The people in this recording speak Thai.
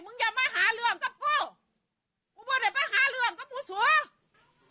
มึงอย่ามาหาเรืองกับกูกูบอกให้ไปหาเรืองกับมูสัว